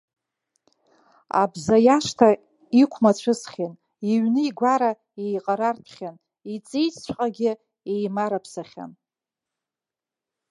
Абза иашҭа иқәмацәысхьан, иҩны-игәара еиҟарартәхьан, иҵеџьҵәҟьагьы еимарыԥсахьан.